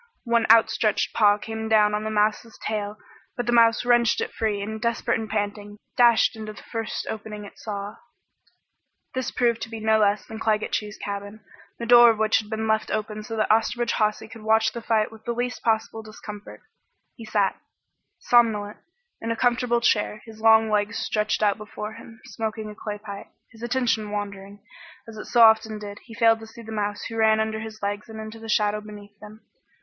One outstretched paw came down on the mouse's tail, but the mouse wrenched it free and desperate and panting, dashed into the first opening it saw. This proved to be no less than Claggett Chew's cabin, the door of which had been left open so that Osterbridge Hawsey could watch the fight with the least possible discomfort. He sat, somnolent, in a comfortable chair, his long legs stretched out before him, smoking a clay pipe. His attention wandering, as it so often did, he failed to see the mouse who ran under his legs into the shadow beneath them.